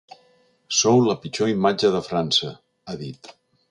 Sou la pitjor imatge de França, ha dit.